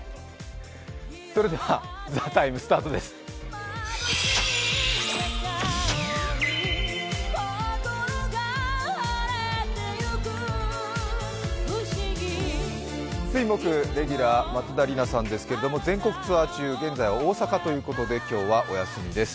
それでは「ＴＨＥＴＩＭＥ，」スタートです水木レギュラー松田里奈さんですけど全国ツアー中、現在、大阪ということで今日はお休みです。